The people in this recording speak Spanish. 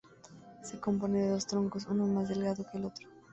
Se compone de dos troncos, uno más delgado que el otro.